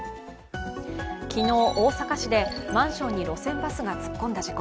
昨日、大阪市でマンションに路線バスが突っ込んだ事故。